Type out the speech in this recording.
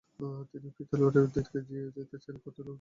তিনি পিতলাওয়াড়ের দিকে যেতে চাইলে পথে লোকজন তাঁর গতি রোধ করে।